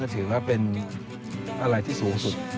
ถือว่าเป็นอะไรที่สูงสุด